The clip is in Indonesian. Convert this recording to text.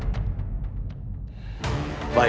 terima kasih paman pati